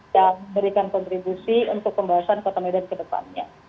yang memberikan kontribusi untuk pembahasan kota medan ke depannya